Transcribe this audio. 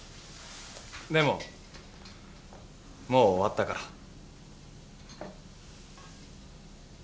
でももう終わったから。